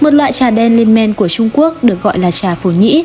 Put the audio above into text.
trà đen lên men của trung quốc được gọi là trà phổ nhĩ